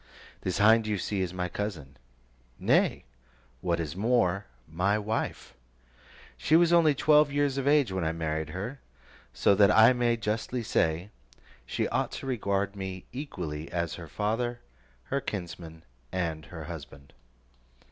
This hind you see is my cousin; nay, what is more, my wife. She was only twelve years of age when I married her, so that I may justly say, she ought to regard me equally as her father, her kinsman, and her husband.